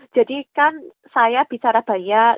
jadi kan saya bicara banyak